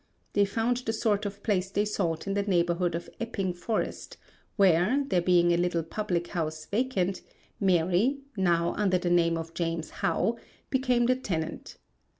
They found the sort of place they sought in the neighbourhood of Epping Forest where, there being a little public house vacant, Mary now under the name of James How became the tenant.